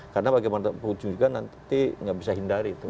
karena bagaimana ujungnya nanti nggak bisa hindari